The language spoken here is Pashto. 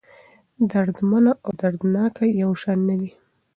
دردمنه او دردناکه يو شان نه دي.